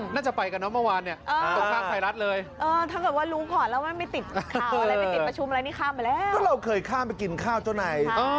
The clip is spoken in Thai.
นายนายยกเขาเรียกว่ารักคุณช้าขวานใช่ไหม